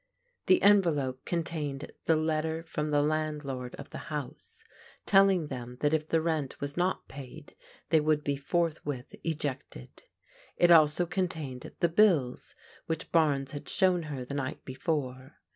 The envelope contained the letter from the landlord of the house telling them that if the rent was not paid they would be forthwith ejected. It also contained the bills which Barnes had shown her the night before.